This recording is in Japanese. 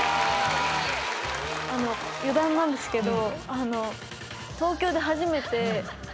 余談なんですけど。